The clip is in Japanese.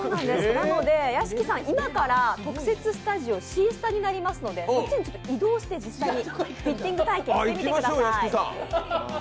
なので屋敷さん、今から特設スタジオ、Ｃスタになりますのでそちらに移動して、実際にフィッティング体験をしてみてください。